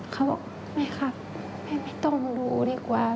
เขาบอกแม่ครับแม่ไม่ต้องดูดีกว่า